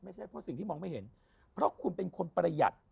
ไม่ใช่เพราะสิ่งที่มองไม่เห็นเพราะคุณเป็นคนประหยัด